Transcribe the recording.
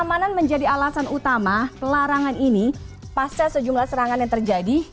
keamanan menjadi alasan utama pelarangan ini pasca sejumlah serangan yang terjadi